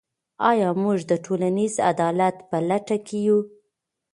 آیا موږ د ټولنیز عدالت په لټه کې یو؟